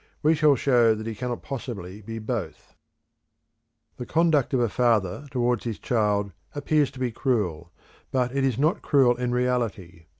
We shall show that he cannot possibly be both. The conduct of a father towards his child appears to be cruel, but it is not cruel in reality.